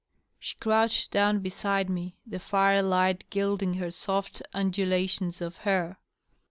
She crouched down beside me, the firelight gilding her sofl undulations of hair.